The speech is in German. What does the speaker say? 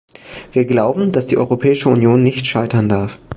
Wir glauben, dass die Europäische Union nicht scheitern darf.